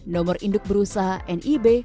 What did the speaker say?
nomor induk berusaha nib